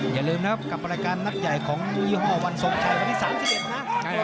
อย่าลืมนะครับกับรายการนัดใหญ่ของยี่ห้อวันทรงชัยวันที่๓๑นะ